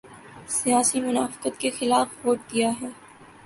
سیاسی منافقت کے خلاف ووٹ دیا ہے۔